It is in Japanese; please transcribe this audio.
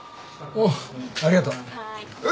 おっありがとう。